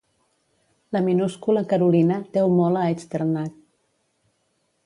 La minúscula carolina deu molt a Echternach.